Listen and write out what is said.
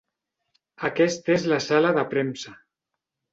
Aquesta és la sala de premsa.